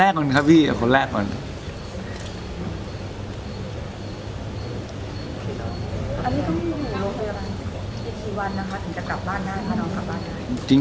อีกสี่วันนะคะถึงจะกลับบ้านหน้านะคะ